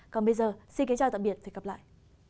còn bây giờ xin kính chào tạm biệt và hẹn gặp lại